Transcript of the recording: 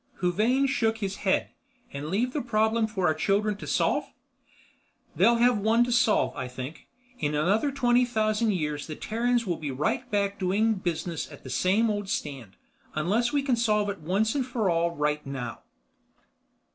Huvane shook his head. "And leave the problem for our children to solve?" "They'll have one to solve, I think," said Chelan. "In another twenty thousand years the Terrans will be right back doing business at the same old stand. Unless we can solve it for once and for all right now."